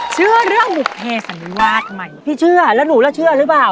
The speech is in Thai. เชื่อเรื่องบุภเพสันนิวาสใหม่พี่เชื่อแล้วหนูล่ะเชื่อหรือเปล่า